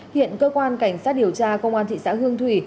hiện cơ quan cảnh sát điều tra công an thị xã hương thủy